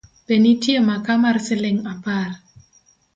Be nitie maka mar siling’ apar?